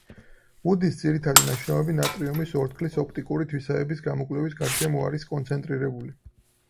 ვუდის ძირითადი ნაშრომები ნატრიუმის ორთქლის ოპტიკური თვისებების გამოკვლევის გარშემო არის კონცენტრირებული.